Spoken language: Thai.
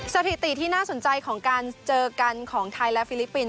สถิติที่น่าสนใจของการเจอกันของไทยและฟิลิปปินส